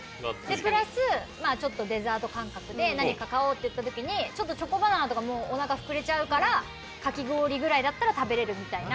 プラスちょっとデザート感覚で何か買おうって言った時にチョコバナナとかもうお腹膨れちゃうからかき氷ぐらいだったら食べれるみたいな。